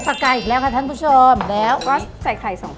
เพราะเราใส่ไปเลย